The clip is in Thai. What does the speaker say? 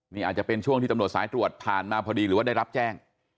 นี่อาจจะเป็นช่วงที่ตำรวจสายตรวจผ่านมาพอดีหรือว่าได้รับแจ้ง